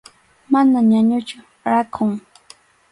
Mana ñañuchu, rakhun.